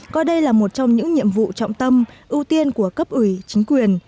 coi đây là một trong những nhiệm vụ trọng tâm ưu tiên của cấp ủy chính quyền